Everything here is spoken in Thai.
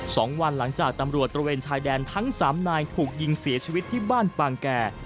สองวันหลังจากตำรวจตระเวนชายแดนทั้งสามนายถูกยิงเสียชีวิตที่บ้านปางแก่